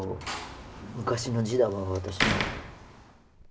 昔の字だわ私の。